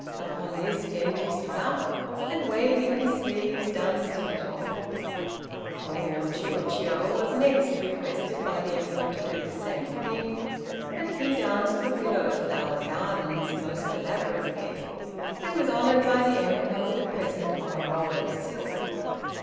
Upon this Genji stood up, and waving his sleeves, danced a little. Tô no Chiûjiô was next requested by the Emperor to do the same thing, and he danced the "Willow Flower Gardens" most elaborately, and was honored by the Emperor with a present of a roll of silk.